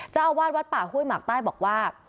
เจ้าอาวาสวัดป่าห้วยหมากใต้บอกว่า